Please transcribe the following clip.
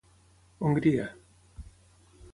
Hongria.